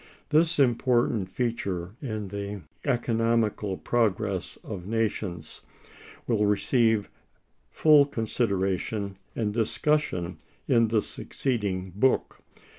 This important feature in the economical progress of nations will receive full consideration and discussion in the succeeding book.